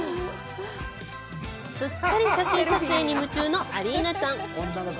すっかり写真撮影に夢中のアリーナちゃん。